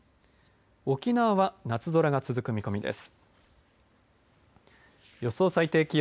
沖縄は夏空が続く見込みです。